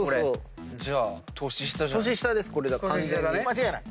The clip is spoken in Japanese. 間違いない？